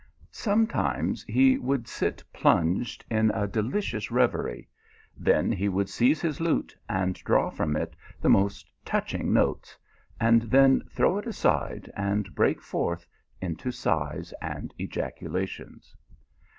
Sometimes he would sit plunged in a delicious reverie ; then he would seize his lute and draw from it the most touching notes, and then throw it aside, and break forth into sighs and ejaculations.